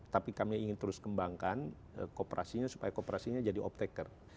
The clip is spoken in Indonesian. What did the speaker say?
tapi kami ingin terus kembangkan kooperasinya supaya kooperasinya jadi optacker